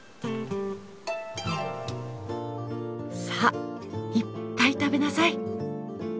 さあいっぱい食べなさい。